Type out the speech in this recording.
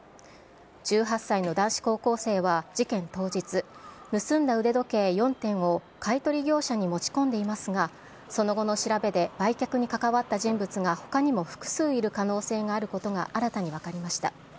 １８歳の男子高校生は事件当日、盗んだ腕時計４点を買い取り業者に持ち込んでいますが、その後の調べで、売却に関わった人物がほかにも複数いる可能性があることが新たに分かりました。